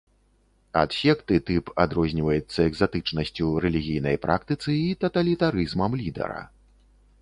Ад секты тып адрозніваецца экзатычнасцю рэлігійнай практыцы і таталітарызмам лідара.